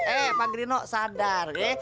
eh pak grino sadar